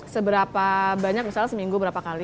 seberapa banyak misalnya seminggu berapa kali